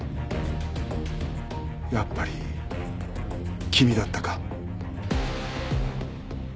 やっぱり君だったか。